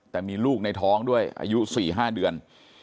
แต่มีลูกในท้องด้วยอายุ๔๕เดือน